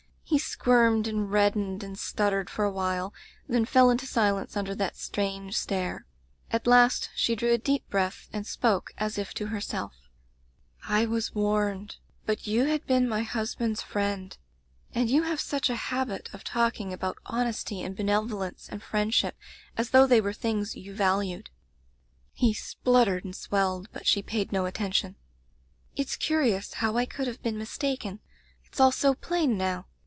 He squirmed and reddened and stuttered for awhile, then fell into silence under that strange stare. At last she drew a deep breath and spoke as if to herself: Digitized by LjOOQ IC A Dispensation "*I was warned; but you had been my husband's friend, and you have such a habit of talking about honesty and benevolence and friendship, as though they were things you valued/ ^'He spluttered and sweUed, but she paid no attention. "*It*s curious how I could have been mis taken; it's all so plain now.'